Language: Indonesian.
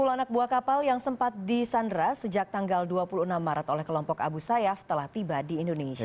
sepuluh anak buah kapal yang sempat disandra sejak tanggal dua puluh enam maret oleh kelompok abu sayyaf telah tiba di indonesia